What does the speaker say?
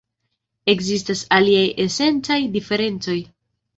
Ekzistas aliaj esencaj diferencoj.